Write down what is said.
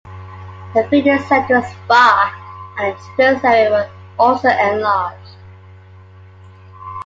The fitness center, spa and children's area were also enlarged.